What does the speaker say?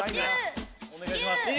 お願いします